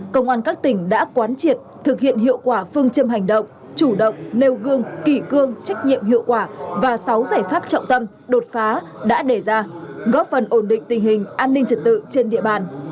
công an các tỉnh đã quán triệt thực hiện hiệu quả phương châm hành động chủ động nêu gương kỷ cương trách nhiệm hiệu quả và sáu giải pháp trọng tâm đột phá đã đề ra góp phần ổn định tình hình an ninh trật tự trên địa bàn